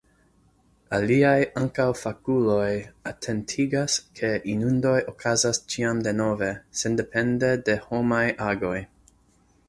Aliaj, ankaŭ fakuloj, atentigas ke inundoj okazas ĉiam denove, sendepende de homaj agoj.